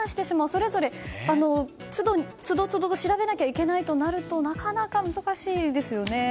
それぞれ、都度都度調べなきゃいけないとなるとなかなか難しいですよね。